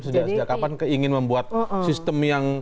sejak kapan ingin membuat sistem yang